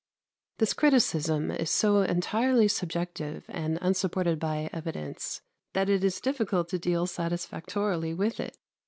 " This criticism is so entirely subjective and unsupported by evidence that it is difficult to deal satisfactorily with it.